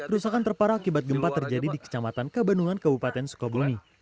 rusakan terparah akibat gempa terjadi di kecamatan kabandungan kabupaten sukabumi